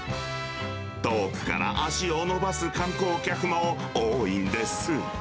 遠くから足を伸ばす観光客も多いんです。